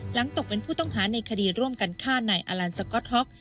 ตกเป็นผู้ต้องหาในคดีร่วมกันฆ่านายอลันสก๊อตฮ็อก